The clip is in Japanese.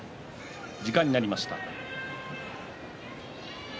時間になりました。